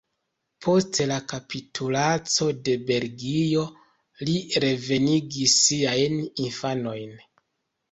Post la kapitulaco de Belgio li revenigis siajn infanojn.